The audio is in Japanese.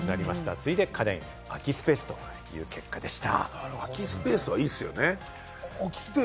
次いで家電、空きスペースという結果でした。